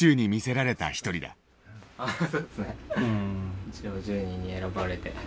一応１０人に選ばれて。